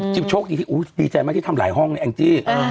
จิ๊บโชกอย่างงี้ดีใจมากที่ทำหลายห้องในแองจิ